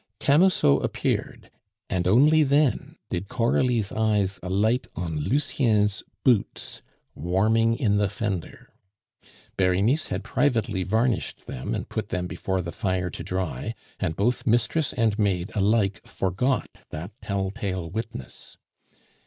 Camusot appeared, and only then did Coralie's eyes alight on Lucien's boots, warming in the fender. Berenice had privately varnished them, and put them before the fire to dry; and both mistress and maid alike forgot that tell tale witness.